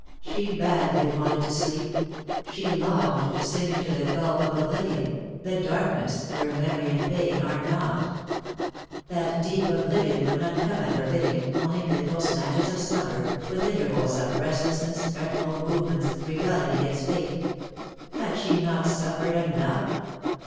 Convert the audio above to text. She badly wanted to sleep, she longed to sink into the gulf of oblivion, the darkness where memory and pain are not. That deep oblivion would not come at her bidding, only fitful snatches of slumber, with intervals of restlessness, fretful movements, re bellion against fate. Had she not suffered enough?